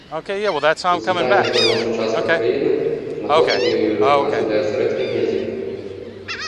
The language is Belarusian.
У цэнтральнай і паўночнай частках краіны знаходкі жука з'яўляюцца рэдкімі і адзінкавымі.